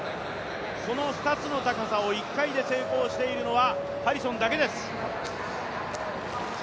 この２つの高さを１回で成功しているのはハリソンだけです。